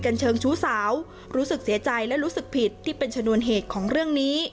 เชิงชู้สาวรู้สึกเสียใจและรู้สึกผิดที่เป็นชนวนเหตุของเรื่องนี้